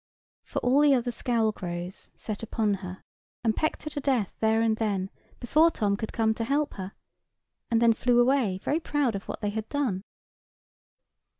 For all the other scaul crows set upon her, and pecked her to death there and then, before Tom could come to help her; and then flew away, very proud of what they had done.